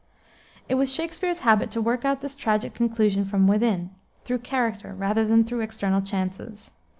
It was Shakspere's habit to work out his tragic conclusions from within, through character, rather than through external chances.